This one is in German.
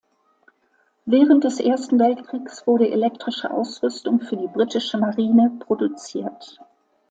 Während des Ersten Weltkriegs wurde elektrische Ausrüstung für die britische Marine produziert.